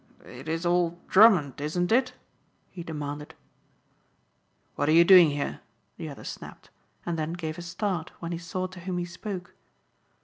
"It is old Drummond, isn't it?" he demanded. "What are you doing here?" the other snapped, and then gave a start when he saw to whom he spoke.